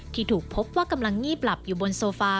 ที่ถูกพบว่ากำลังงีบหลับอยู่บนโซฟา